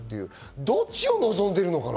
どっちを望んでるのかな？